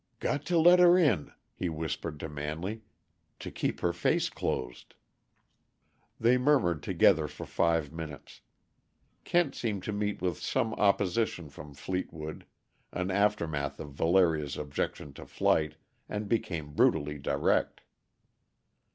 "Got to let her in," he whispered to Manley, "to keep her face closed." They murmured together for five minutes. Kent seemed to meet with some opposition from Fleetwood an aftermath of Valeria's objections to flight and became brutally direct.